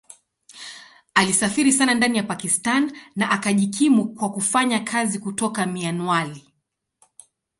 Alisafiri sana ndani ya Pakistan na akajikimu kwa kufanya kazi kutoka Mianwali.